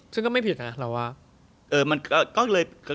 ซึ่งก็ไม่ผิดนะเราว่า